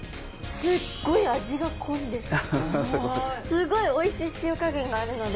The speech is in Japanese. すごいおいしい塩加減があるので。